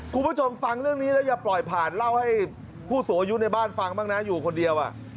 คุณผู้ชมฟังเรื่องนี้แล้วอย่าปล่อยผ่านเล่าให้ผู้สูงอายุในบ้านฟังบ้างนะอยู่คนเดียว